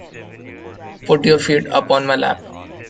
Put your feet up on my lap.